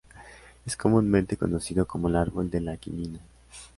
Es comúnmente conocido como el "Árbol de la quinina".